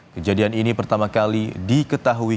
kejadian ini pertama kali diketahui